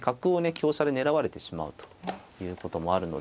香車で狙われてしまうということもあるので。